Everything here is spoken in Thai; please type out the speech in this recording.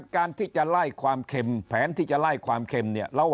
การที่จะไล่ความเค็มแผนที่จะไล่ความเค็มเนี่ย